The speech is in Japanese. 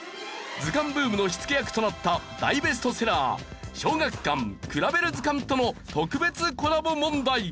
図鑑ブームの火付け役となった大ベストセラー小学館『くらべる図鑑』との特別コラボ問題。